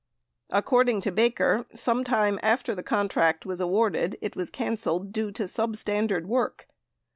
Accord ing to Baker, sometime after the contract was awarded it was canceled due to substandard work.